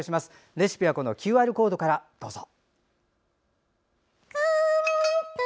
レシピはＱＲコードからどうぞ。